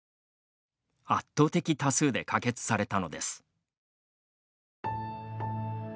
圧倒的多数で可決されたのです。